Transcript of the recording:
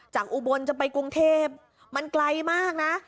อุบลจะไปกรุงเทพมันไกลมากนะ